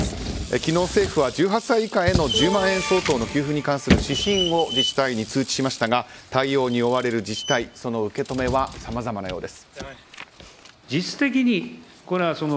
昨日政府は１８歳以下への１０万円相当の給付に関する指針を自治体に通知しましたが対応に追われる自治体その受け止めはさまざまなようです。